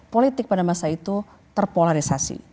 politik pada masa itu terpolarisasi